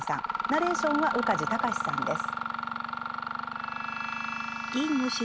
ナレーションは宇梶剛士さんです。